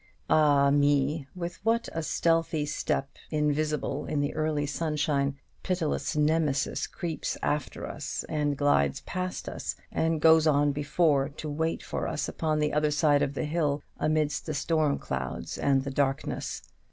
Ah, me! with what a stealthy step, invisible in the early sunshine, pitiless Nemesis creeps after us, and glides past us, and goes on before to wait for us upon the other side of the hill, amidst the storm clouds and the darkness!